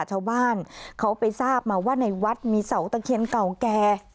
ชาวบ้านเขาไปทราบมาว่าในวัดมีเสาตะเคียนเก่าแก่